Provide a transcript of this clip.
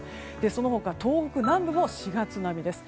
その他、東北南部も４月並みです。